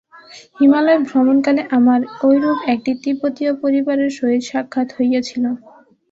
হিমালয়-ভ্রমণকালে আমার ঐরূপ একটি তিব্বতীয় পরিবারের সহিত সাক্ষাৎ হইয়াছিল।